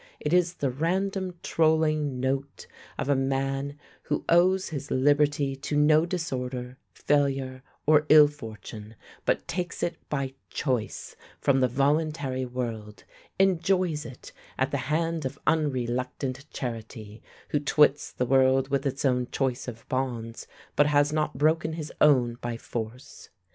It is the random trolling note of a man who owes his liberty to no disorder, failure, or ill fortune, but takes it by choice from the voluntary world, enjoys it at the hand of unreluctant charity; who twits the world with its own choice of bonds, but has not broken his own by force.